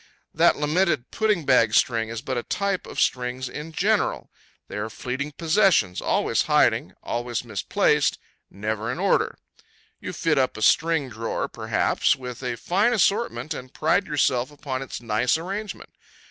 That lamented pudding bag string is but a type of strings in general. They are fleeting possessions, always hiding, always misplaced, never in order. You fit up a string drawer, perhaps, with a fine assortment, and pride yourself upon its nice arrangement.